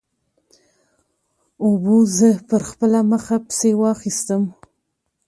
اوبو زه پر خپله مخه پسې واخیستم.